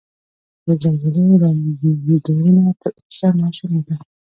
د زلزلې وړاندوینه تر اوسه نا شونې ده.